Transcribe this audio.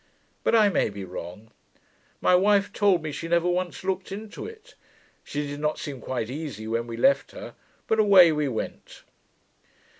But I may be wrong. My wife told me she never once looked into it. She did not seem quite easy when we left her: but away we went!